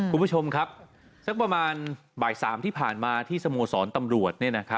คุณผู้ชมครับสักประมาณบ่าย๓ที่ผ่านมาที่สโมสรตำรวจ